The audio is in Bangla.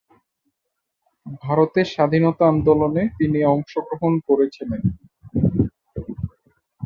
ভারতের স্বাধীনতা আন্দোলনে তিনি অংশগ্রহণ করেছিলেন।